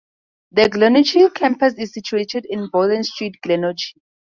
The Glenorchy campus is situated in Bowden Street, Glenorchy.